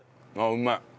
うまい。